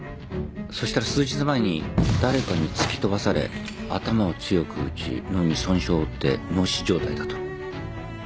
そしたら数日前に誰かに突き飛ばされ頭を強く打ち脳に損傷を負って脳死状態だと。